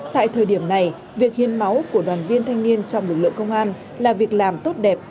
tại thời điểm này việc hiến máu của đoàn viên thanh niên trong lực lượng công an là việc làm tốt đẹp